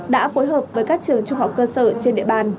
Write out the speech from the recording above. đã phối hợp với các trường trung học cơ sở trên địa bàn